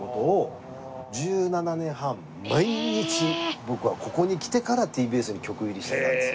僕はここに来てからＴＢＳに局入りしてたんですよ。